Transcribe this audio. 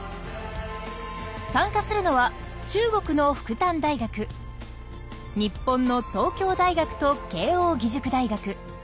参加するのは中国の復旦大学日本の東京大学と慶應義塾大学。